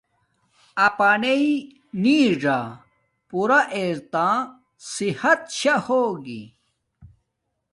اپانݵ نݵڎا پورا ار تا صحت شاہ ہوگی